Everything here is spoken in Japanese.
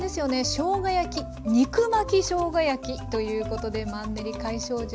しょうが焼き肉巻きしょうが焼きということでマンネリ解消術